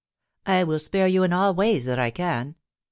I will spare you in all ways that I can.